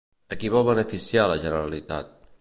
A qui vol beneficiar la Generalitat?